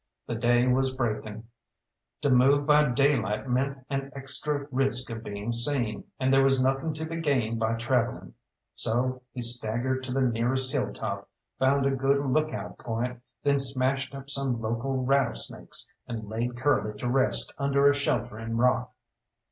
The day was breaking; to move by daylight meant an extra risk of being seen, and there was nothing to be gained by travelling. So he staggered to the nearest hilltop, found a good look out point, then smashed up some local rattlesnakes, and laid Curly to rest under a sheltering rock.